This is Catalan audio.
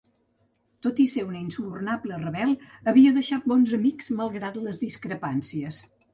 Tot i ser un insubornable rebel, havia deixat bons amics, malgrat les discrepàncies.